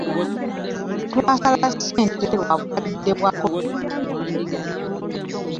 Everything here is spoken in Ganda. Twasala ssente lwa bukadde bwa kovidi.